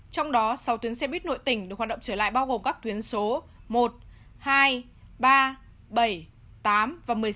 trong đó sáu tuyến xe buýt nội tỉnh được hoạt động trở lại bao gồm các tuyến số một hai ba bảy tám và một mươi sáu